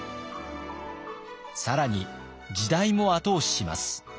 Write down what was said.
更に時代も後押しします。